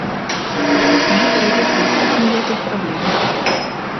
А ён жыве тут, ніякіх праблем.